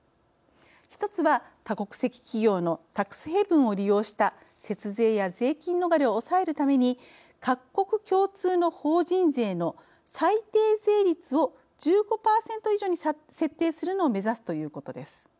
一つは多国籍企業のタックスヘイブンを利用した節税や税金逃れを抑えるために各国共通の法人税の最低税率を１５％以上に設定するのを目指すということです。